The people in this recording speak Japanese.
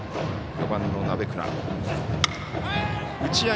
４番の鍋倉。